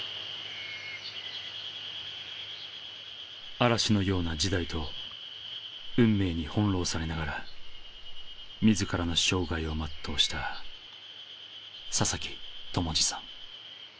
嵐のような時代と運命に翻弄されながら自らの生涯を全うした佐々木友次さん。